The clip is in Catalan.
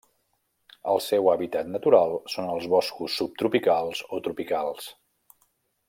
El seu hàbitat natural són els boscos subtropicals o tropicals.